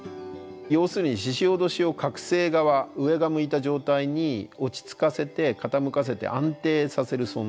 要するにししおどしを覚醒側上が向いた状態に落ち着かせて傾かせて安定させる存在。